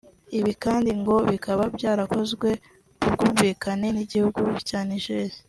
ibi kandi ngo bikaba byarakozwe ku bwumvikane n’igihugu cya Niger